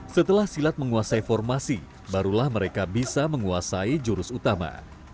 setelah silat menguasai formasi barulah mereka bisa menguasai jurus utama